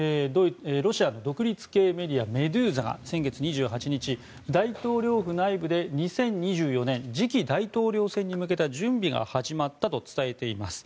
ロシアの独立系メディアメドゥーザが先月２８日大統領府内部で２０２４年次期大統領選に向けた準備が始まったと伝えています。